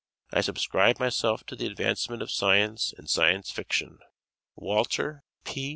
I subscribe myself to the advancement of science and Science Fiction. Walter P.